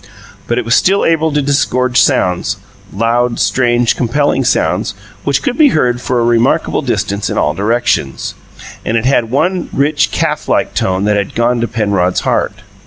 But it was still able to disgorge sounds loud, strange, compelling sounds, which could be heard for a remarkable distance in all directions; and it had one rich calf like tone that had gone to Penrod's heart.